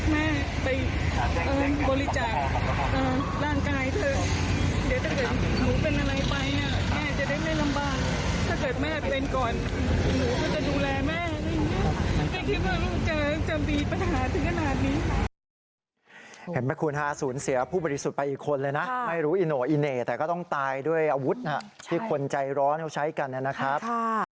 ไม่คิดว่าจะดูแลแม่ไม่คิดว่าจะมีปัญหาถึงขนาดนี้